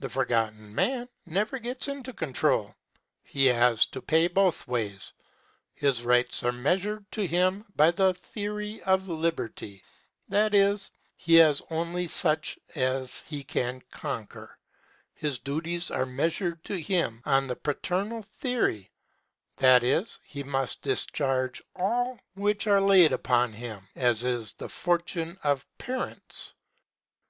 The Forgotten Man never gets into control. He has to pay both ways. His rights are measured to him by the theory of liberty that is, he has only such as he can conquer; his duties are measured to him on the paternal theory that is, he must discharge all which are laid upon him, as is the fortune of parents.